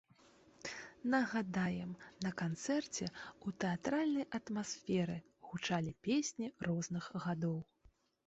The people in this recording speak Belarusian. Нагадаем, на канцэрце, у тэатральнай атмасферы гучалі песні розных гадоў.